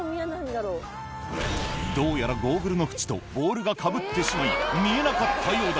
どうやらゴーグルの縁とボールがかぶってしまい見えなかったようだ